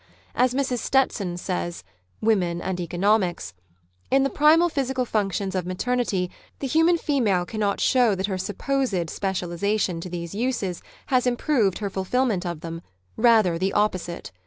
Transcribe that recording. As Mrs. Stetson says ("Women and Economics") : In the primal physical functions of maternity the human female cannot show that her supposed specialisation to these uses has improved her fulfilment of them, rather the opposite.